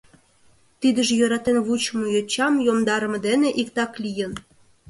Тидыже йӧратен вучымо йочам йомдарыме дене иктак лийын.